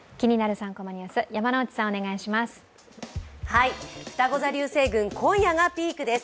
３コマニュース」、山内さん、お願いします。